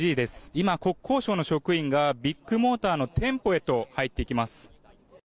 今、国交省の職員がビッグモーターの店舗へと入っていきます。